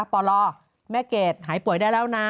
ปลแม่เกดหายป่วยได้แล้วนะ